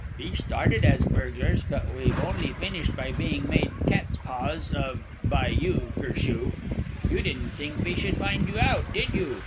"We started as burglars, but we've finished by being made cat's paws of by you, curse you! You didn't think we should find you out, did you?